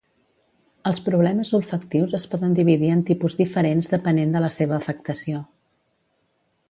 Els problemes olfactius es poden dividir en tipus diferents depenent de la seva afectació.